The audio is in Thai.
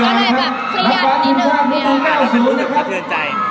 ก็เลยแบบเครียดนิดหนึ่งเดียว